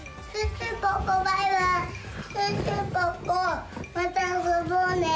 シュッシュポッポまたあそぼうね！